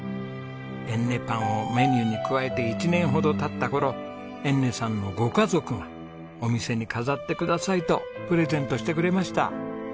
えんねパンをメニューに加えて１年ほどたった頃えんねさんのご家族が「お店に飾ってください」とプレゼントしてくれました。